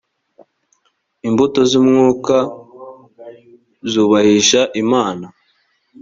imbuto z’umwuka zubahisha imana